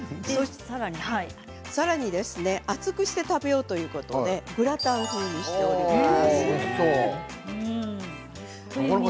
さらに熱くして食べようということでグラタン風にしてみました。